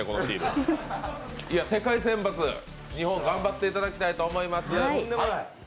世界選抜、日本、頑張っていただきたいと思います。